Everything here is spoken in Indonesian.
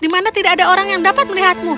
di mana tidak ada orang yang dapat melihatmu